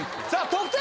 得点